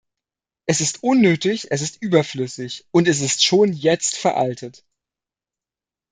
Es ist unnötig, es ist überflüssig, und es ist schon jetzt veraltet.